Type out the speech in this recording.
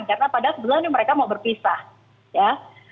karena padahal sebenarnya mereka mau berpisah ya